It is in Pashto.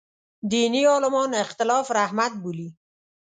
دیني عالمان اختلاف رحمت بولي.